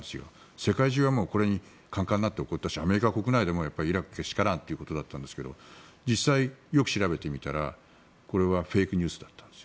世界中がこれにかんかんになって怒ったしアメリカ国内でもイラクけしからんということだったんですが実際、よく調べてみたらこれはフェイクニュースだったんですよ。